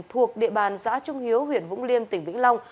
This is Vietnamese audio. thuộc địa bàn xã trung hiếu huyện vũng liêm tỉnh vĩnh long